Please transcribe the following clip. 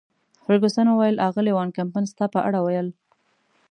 فرګوسن وویل: اغلې وان کمپن ستا په اړه ویل.